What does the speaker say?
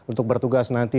untuk bertugas nanti